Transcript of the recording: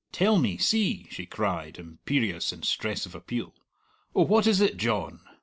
"Tell me, see!" she cried, imperious in stress of appeal. "Oh, what is it, John?"